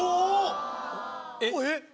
えっ⁉